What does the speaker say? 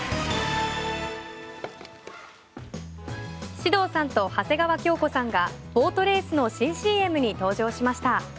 獅童さんと長谷川京子さんがボートレースの新ＣＭに登場しました。